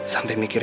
sampai mikirin gue